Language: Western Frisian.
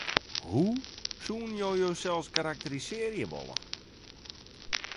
Hoe soenen jo josels karakterisearje wolle?